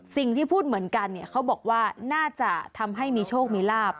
สิ่งที่พูดเหมือนกันเนี่ยเขาบอกว่าน่าจะทำให้มีโชคมีลาบ